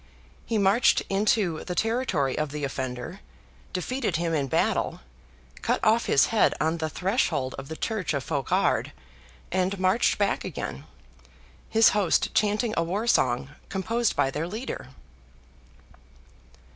He marched into the territory of the offender, defeated him in battle, cut off his head on the threshold of the Church of Faughard, and marched back again, his host chanting a war song composed by their leader.